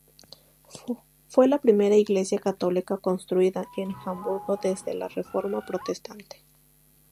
Fue la primera iglesia católica construida en Hamburgo desde la Reforma protestante.